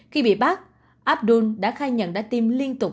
khi bị bác abdul đã khai nhận đã tiêm liên tục